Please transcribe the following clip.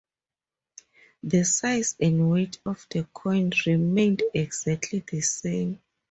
The size and weight of the coin remained exactly the same.